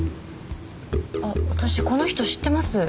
あっ私この人知ってます。